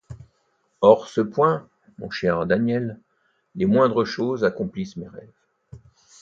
Hors ce point, mon cher Daniel, les moindres choses accomplissent mes rêves.